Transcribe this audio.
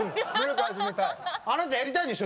あなたやりたいでしょ？